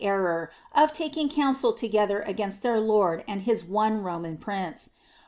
I] DE MONARCHIA 69 taking counsel together against their Lord and His one Roman Prince.